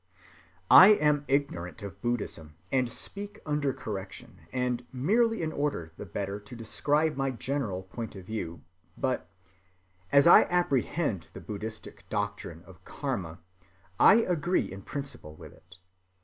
I am ignorant of Buddhism and speak under correction, and merely in order the better to describe my general point of view; but as I apprehend the Buddhistic doctrine of Karma, I agree in principle with that.